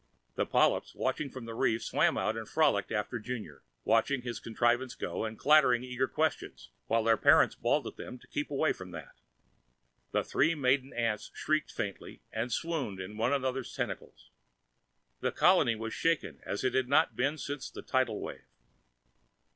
The polyps watching from the reef swam out and frolicked after Junior, watching his contrivance go and chattering eager questions, while their parents bawled at them to keep away from that. The three maiden aunts shrieked faintly and swooned in one another's tentacles. The colony was shaken as it had not been since the tidal wave.